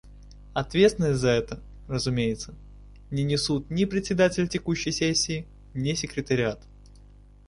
Ответственность за это, разумеется, не несут ни Председатель текущей сессии, ни Секретариат.